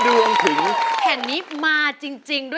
แผนที่๓ที่คุณนุ้ยเลือกออกมานะครับ